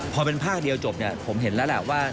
พอเป็นภาคเดียวจบเนี่ยผมเห็นแล้วล่ะว่า